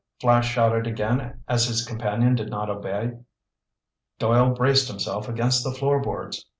Flash shouted again as his companion did not obey. Doyle braced himself against the floor boards.